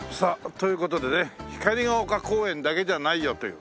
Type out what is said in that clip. という事でね光が丘公園だけじゃないよという。